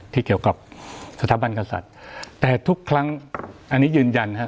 ที่เกี่ยวกับสถาบันกษัตริย์แต่ทุกครั้งอันนี้ยืนยันฮะ